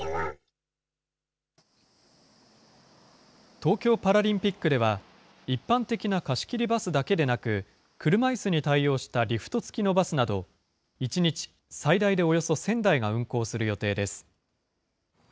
東京パラリンピックでは、一般的な貸し切りバスだけでなく、車いすに対応したリフト付きのバスなど、１日最大でおよそ１０００台が運行する予定です。